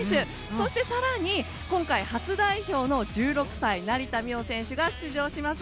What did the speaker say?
そして、更に今回初代表の１６歳、成田実生選手が出場します。